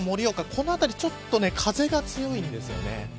この辺りはちょっと風が強いんです。